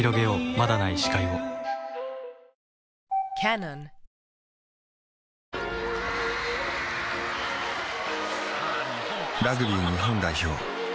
まだない視界を・ラグビー日本代表